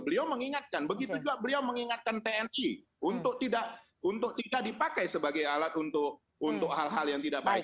beliau mengingatkan begitu juga beliau mengingatkan tni untuk tidak dipakai sebagai alat untuk hal hal yang tidak baik